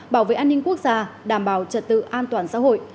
bảo vệ an ninh quốc gia đảm bảo trật tự an toàn xã hội